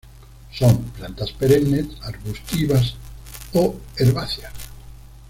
Son plantas perennes, arbustivas o herbáceas.